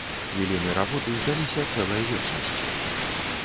Хвіліны работы здаліся цэлай вечнасцю.